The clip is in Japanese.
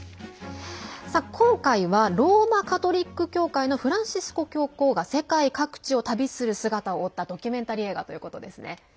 今回はローマ・カトリック教会のフランシスコ教皇が世界各地を旅する姿を追ったドキュメンタリー映画ということですね。